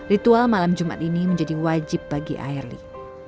ritual malam jumat ini menjadi wajib bagi airly